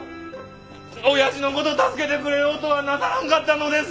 親父のこと助けてくれようとはなさらんかったのですか！